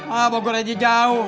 hah bogor aja jauh